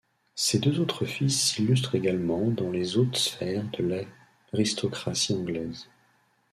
Ses deux autres fils s'illustrent également dans les hautes sphères de l'aristocratie anglaise.